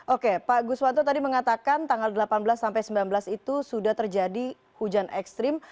oke pak guswanto tadi mengatakan tanggal delapan belas sampai sembilan belas itu sudah terjadi hujan ekstrim